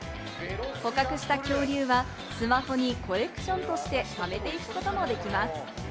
捕獲した恐竜はスマホにコレクションとしてためていくこともできます。